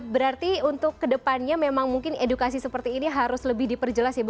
berarti untuk kedepannya memang mungkin edukasi seperti ini harus lebih diperjelas ya bu